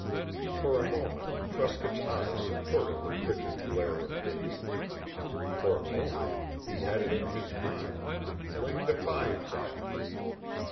For a moment Truscott's eyes supported the frigid glare of Dave's. For a moment he had it in his mind to fling defiance at him.